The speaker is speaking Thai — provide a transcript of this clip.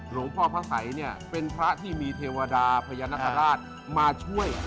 หลวงพ่อพระสัยเนี่ยเป็นพระที่มีเทวดาพญานาคาราชมาช่วย